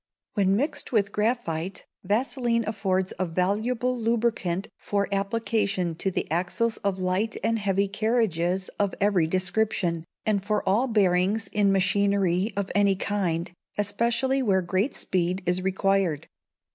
When mixed with graphite, vaseline affords a valuable lubricant for application to the axles of light and heavy carriages of every description, and for all bearings in machinery of any kind, especially where great speed is required.